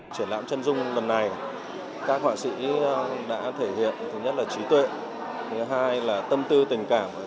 triển lãm trân dung lần này các họa sĩ đã thể hiện thứ nhất là trí tuệ thứ hai là tâm tư tình cảm trong từng bức vẽ